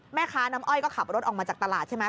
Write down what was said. น้ำอ้อยก็ขับรถออกมาจากตลาดใช่ไหม